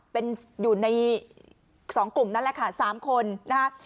เป็นอยู่ใน๒กลุ่มนั่นแหละค่ะ๓คนนะคะ